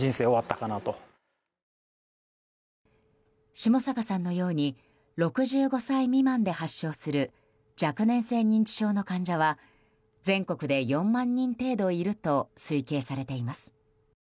下坂さんのように６５歳未満で発症する若年性認知症の患者は全国で４万人程度いると推計されています。